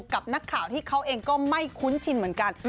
กับนักข่าวที่เขาเองก็ไม่คุ้นชินเหมือนกัน